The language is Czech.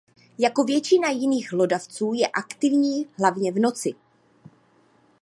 Jako většina jiných hlodavců je aktivní hlavně v noci.